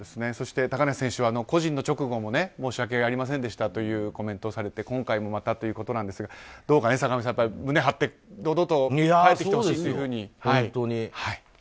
そして高梨選手は個人の直後も申し訳ありませんでしたというコメントをされて今回もまたということですがどうか胸を張って堂々と帰ってきてほしいというふうに。